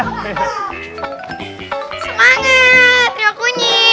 semangat trio kunyit